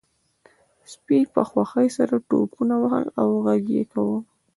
سپي په خوښۍ سره ټوپونه وهل او غږ یې کاوه